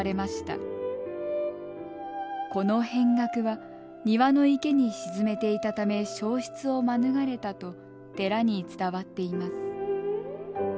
この扁額は庭の池に沈めていたため焼失を免れたと寺に伝わっています。